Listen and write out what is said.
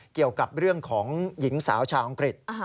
เกี่ยวกับเรื่องของหญิงสาวชาวอังกฤษ